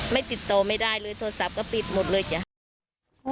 ติดต่อไม่ได้เลยโทรศัพท์ก็ปิดหมดเลยจ้ะ